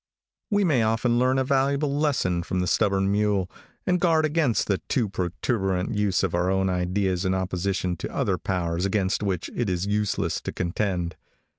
We may often learn a valuable lesson from the stubborn mule, and guard against the too protruberant use of our own ideas in opposition to other powers against which it is useless to contend.